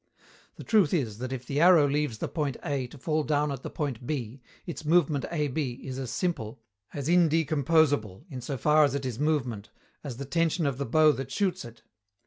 The truth is that if the arrow leaves the point A to fall down at the point B, its movement AB is as simple, as indecomposable, in so far as it is movement, as the tension of the bow that shoots it.